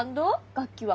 楽器は？